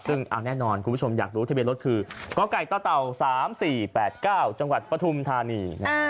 ซึ่งเอาแน่นอนคุณผู้ชมอยากรู้ทะเบียนรถคือกไก่ตเต่า๓๔๘๙จังหวัดปฐุมธานี